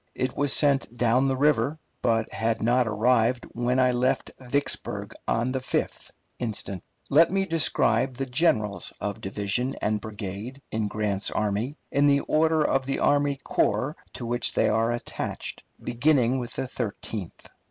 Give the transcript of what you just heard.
It was sent down the river, but had not arrived when I left Vicksburg on the 5th instant. Let me describe the generals of division and brigade in Grant's army in the order of the army corps to which they are attached, beginning with the Thirteenth.